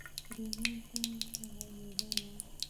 ګریوان ته ږغیدله